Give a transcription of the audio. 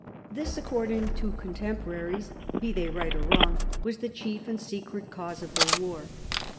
This, according to contemporaries, be they right or wrong, was the chief and secret cause of the war.